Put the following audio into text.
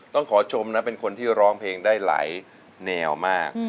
ต้องขอชมนะเป็นคนที่ร้องเพลงได้หลายแนวมาก